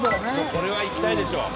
これは行きたいでしょう。